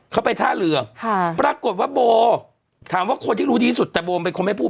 เขาไปท่าเรือค่ะปรากฏว่าโบถามว่าคนที่รู้ดีที่สุดแต่โบเป็นคนไม่พูด